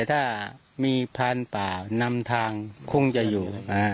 ถ้ามีพานป่านำทางคงจะอยู่